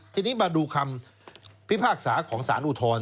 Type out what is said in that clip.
ทีนี้มาดูคำพิพากษาของสารอุทธรณ์